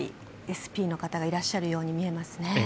ＳＰの方がいらっしゃるように見えますね。